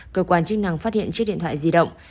cơ quan chức năng phát hiện chiếc điện thoại di động